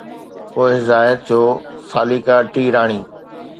پوءِ ظاهر ٿيو ساليڪا ٽي راڻي